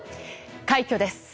快挙です。